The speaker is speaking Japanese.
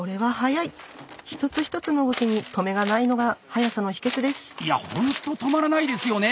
いやほんと止まらないですよね。